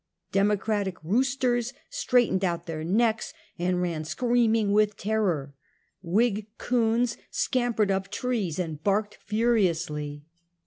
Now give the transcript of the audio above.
Democratic roosters straightened out their necks and ran screaming with terror. Whig coons scampered up trees and barked furiously.